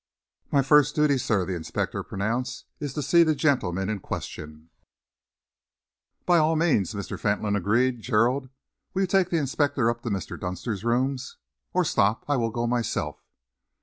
"My first duty, sir," the inspector pronounced, "is to see the gentleman in question." "By all means," Mr. Fentolin agreed. "Gerald, will you take the inspector up to Mr. Dunster's rooms? Or stop, I will go myself."